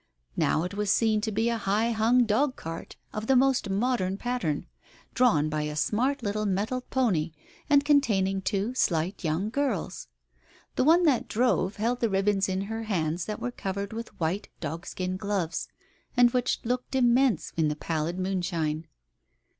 ... Now it was seen to be a high hung dog cart, of the most modern pattern, drawn by a smart little mettled pony, and containing two slight young girls. ... The one that drove held the ribbons in hands that were covered with white dog skin gloves, and which looked immense in the pallid moonshine.